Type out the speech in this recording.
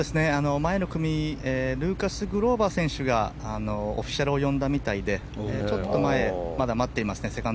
前の組ルーカス・グローバー選手がオフィシャルを呼んだみたいで前で待っていますね。